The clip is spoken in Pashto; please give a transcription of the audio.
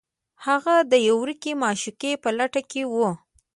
هغه د یوې ورکې معشوقې په لټون کې و